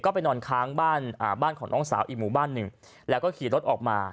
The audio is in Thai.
ไปนอนค้างบ้านบ้านของน้องสาวอีกหมู่บ้านหนึ่งแล้วก็ขี่รถออกมา